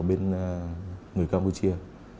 bên người campuchia